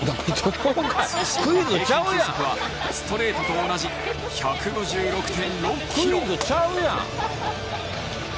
ツーシームの平均球速はストレートと同じ１５６．６キロ。